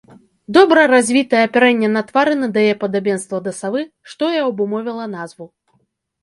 Добра развітае апярэнне на твары надае падабенства да савы, што і абумовіла назву.